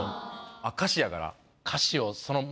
あっ歌詞やから？